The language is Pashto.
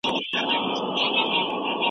د پرهر زړه رڼا ته ژوند تيروه